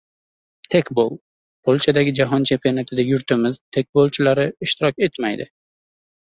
Tekbol: Polshadagi jahon chempionatida yurtimiz tekbolchilari ishtirok etmaydi